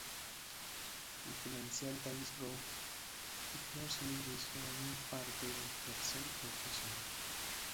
El Financial Times Group y Pearson English formarán parte de Pearson Professional.